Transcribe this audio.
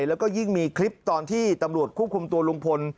แล้วก็ยิ่งมีคลิปตอนที่ตำรวจควบคุมตัวลุงพล